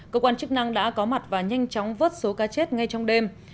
cơ quan chức năng đã có mặt và nhanh chóng vớt số ca chết ngay trong đêm